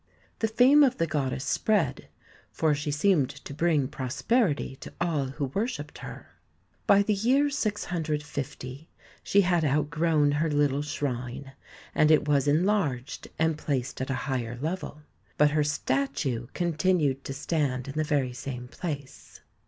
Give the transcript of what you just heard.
The fame of the goddess spread, for she seemed to bring prosperity to all who worshipped her. By the year 650 she had outgrown her little shrine, and it was enlarged and placed at a higher level, but her statue continued to stand in the very same place.